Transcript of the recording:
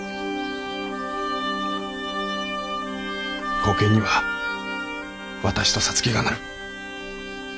後見には私と皐月がなる。